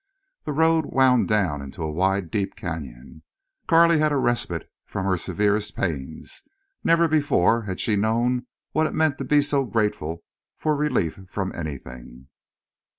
The road wound down into a wide deep canyon. Carley had a respite from her severest pains. Never before had she known what it meant to be so grateful for relief from anything.